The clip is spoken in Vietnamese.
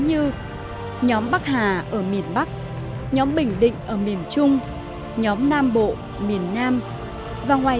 như nhóm bắc hà ở miền bắc nhóm bình định ở miền trung nhóm nam bộ miền nam và ngoài